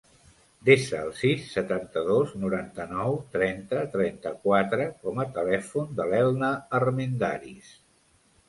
Desa el sis, setanta-dos, noranta-nou, trenta, trenta-quatre com a telèfon de l'Elna Armendariz.